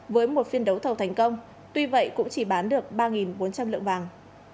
với một phiên đấu thầu thành công tuy vậy cũng chỉ bán được ba bốn trăm linh lượng vàng